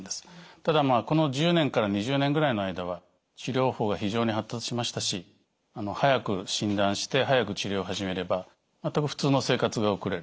ただこの１０年から２０年ぐらいの間は治療法が非常に発達しましたし早く診断して早く治療を始めれば全く普通の生活が送れる。